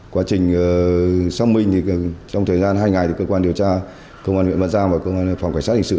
quá trình xong minh trong thời gian hai ngày cơ quan điều tra công an huyện văn giang và cơ quan phòng cảnh sát hình sự